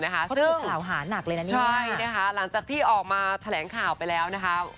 เพราะคือข่าวหานักเลย